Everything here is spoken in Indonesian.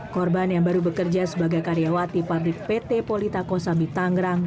korban yang baru bekerja sebagai karyawati pabrik pt polita kosambi tangerang